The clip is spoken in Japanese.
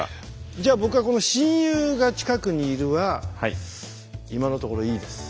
じゃあ僕はこの「親友が近くにいる」は今のところいいです。